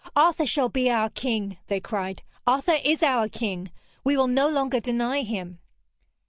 'Arthur shall be our King!' they cried. 'Arthur is our King! We will no longer deny him!'